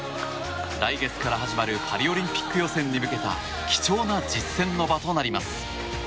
来月から始まるパリオリンピック予選に向けた貴重な実践の場となります。